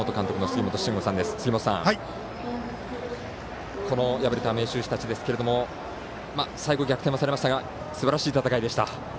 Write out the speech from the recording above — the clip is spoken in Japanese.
杉本さん、この敗れた明秀日立ですけれども最後、逆転はされましたがすばらしい戦いでした。